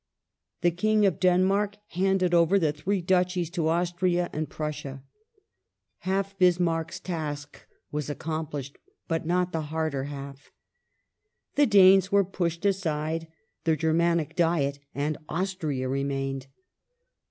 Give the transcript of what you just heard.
The King of Denmark handed over the three Duchies to Austria and Prussia. Half Bismarck's task was accom plished ; but not the harder half. The Danes were pushed aside ; the Germanic Diet and Austria remained.